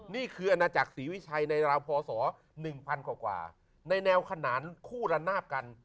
นี่คือจากสรีวิชัยในราวพอศอ๑๐๐๐กว่าถึงแล้วในแนวขนานคู่รันนับกัน